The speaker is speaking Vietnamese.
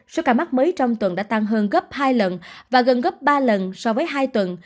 số ca mắc mới trong tuần đã tăng hơn gấp hai lần và gần gấp ba lần so với hai tuần